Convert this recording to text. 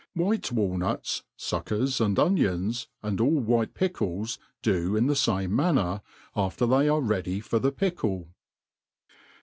.. White walnut?, fuckers, and onions, and all white pickles, do in the. fame manner, after they are ready for the. pickle.